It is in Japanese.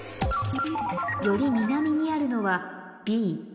「より南にあるのは」